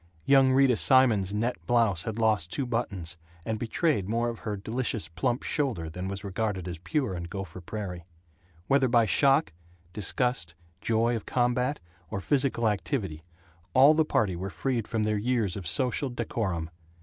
Young Rita Simons's net blouse had lost two buttons, and betrayed more of her delicious plump shoulder than was regarded as pure in Gopher Prairie. Whether by shock, disgust, joy of combat, or physical activity, all the party were freed from their years of social decorum.